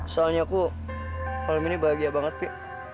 soalnya aku malam ini bahagia banget pik